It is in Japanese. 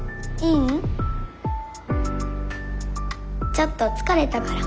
ちょっと疲れたから。